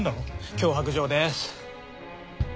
脅迫状です。